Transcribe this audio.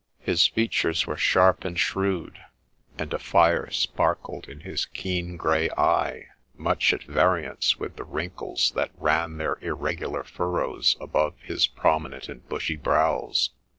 His features were sharp and shrewd, THE LEECH OF FOLKESTONE 81 and a fire sparkled in his keen grey eye, much at variance with the wrinkles that ran their irregular furrows above his pro minent and bushy brows.